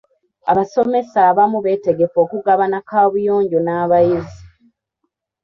Abasomesa abamu beetegefu okugabana kaabuyonjo n'abayizi.